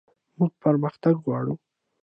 موږ پرمختګ غواړو